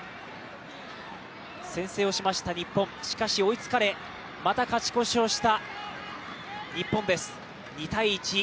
先制をしました日本、しかし追いつかれ、また勝ち越しをしました日本です。